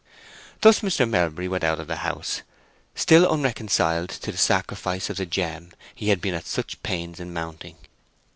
Thus Mr. Melbury went out of the house still unreconciled to the sacrifice of the gem he had been at such pains in mounting.